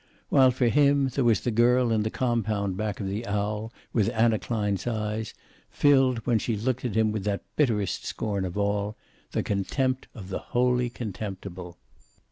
While for him there was the girl in the compound back of the "Owl," with Anna Klein's eyes, filled when she looked at him with that bitterest scorn of all, the contempt of the wholly contemptible.